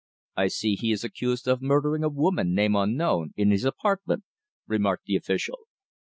"I see he is accused of murdering a woman, name unknown, in his apartment," remarked the official.